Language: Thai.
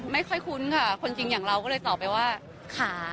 คุ้นค่ะคนจริงอย่างเราก็เลยตอบไปว่าขา